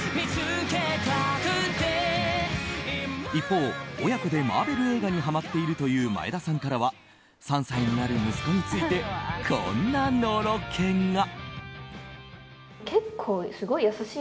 一方、親子でマーベル映画にハマっているという前田さんからは３歳になる息子についてこんなのろけが。